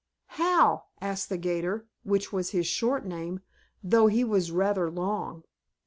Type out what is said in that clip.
"How?" asked the 'gator, which was his short name, though he was rather long.